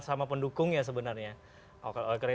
sama pendukungnya sebenarnya oleh karena